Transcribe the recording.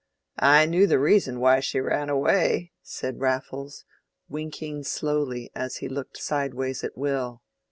I knew the reason why she ran away," said Raffles, winking slowly as he looked sideways at Will.